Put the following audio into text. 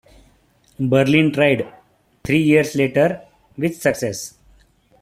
Berlin tried, three years later, with success.